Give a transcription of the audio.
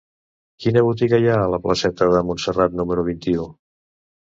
Quina botiga hi ha a la placeta de Montserrat número vint-i-u?